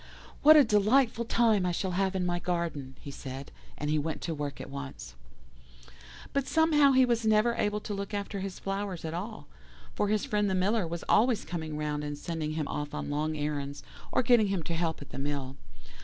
"'What a delightful time I shall have in my garden,' he said, and he went to work at once. "But somehow he was never able to look after his flowers at all, for his friend the Miller was always coming round and sending him off on long errands, or getting him to help at the mill.